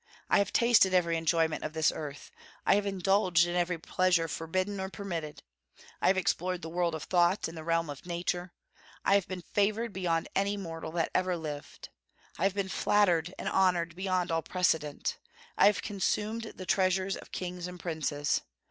I have tasted every enjoyment of this earth; I have indulged in every pleasure forbidden or permitted. I have explored the world of thought and the realm of nature. I have been favored beyond any mortal that ever lived; I have been flattered and honored beyond all precedent; I have consumed the treasures of kings and princes.